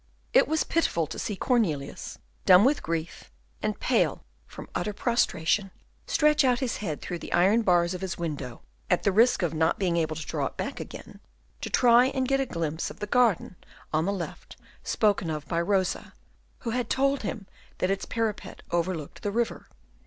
It was pitiful to see Cornelius, dumb with grief, and pale from utter prostration, stretch out his head through the iron bars of his window, at the risk of not being able to draw it back again, to try and get a glimpse of the garden on the left spoken of by Rosa, who had told him that its parapet overlooked the river.